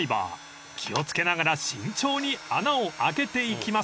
［気を付けながら慎重に穴を開けていきます］